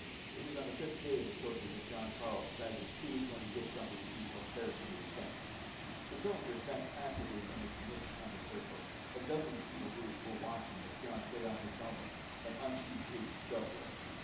It was on the fifth day of his torture that Jon Karyl decided that he was going to get something to eat or perish in the attempt. The cylinder sat passively in its niche in the circle. A dozen Steel Blues were watching as Jon put on his helmet and unsheathed his stubray.